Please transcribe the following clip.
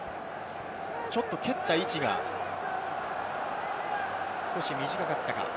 ちょっと蹴った位置が少し短かったか？